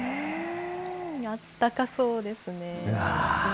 あったかそうですね。